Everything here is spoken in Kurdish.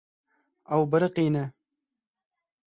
Ew biriqîne.